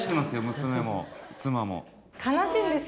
娘も妻も。